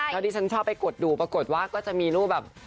แล้วดิฉันชอบไปกดดูปรากฏว่าก็จะมีรูปแบบ